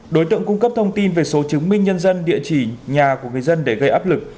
đối tượng cung cấp thông tin về số chứng minh nhân dân địa chỉ nhà của người dân để gây áp lực